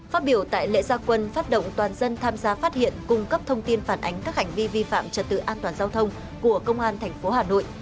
phát biểu tại lễ gia quân phát động toàn dân tham gia phát hiện cung cấp thông tin phản ánh các hành vi vi phạm trật tự an toàn giao thông của công an tp hà nội